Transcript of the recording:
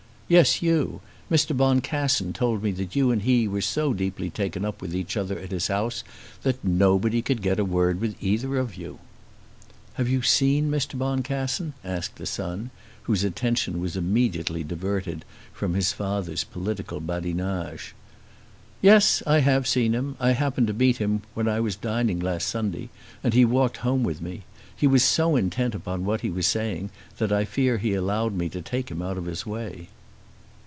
"Yes, you. Mr. Boncassen told me that you and he were so deeply taken up with each other at his house, that nobody could get a word with either of you." "Have you seen Mr. Boncassen?" asked the son, whose attention was immediately diverted from his father's political badinage. "Yes; I have seen him. I happened to meet him where I was dining last Sunday, and he walked home with me. He was so intent upon what he was saying that I fear he allowed me to take him out of his way."